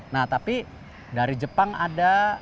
nah tapi dari jepang ada